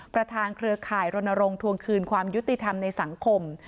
เครือข่ายรณรงค์ทวงคืนความยุติธรรมในสังคม